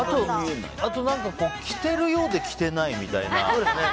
あと、着てるようで着てないみたいな。